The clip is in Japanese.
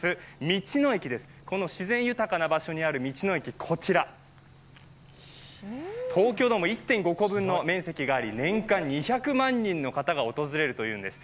道の駅です、この自然豊かな場所にある道の駅こちら、東京ドーム１．５個分の面積があり、年間２００万人の方が訪れるというんです。